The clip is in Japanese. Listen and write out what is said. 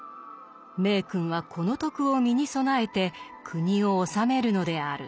明君はこの徳を身に備えて国を治めるのである。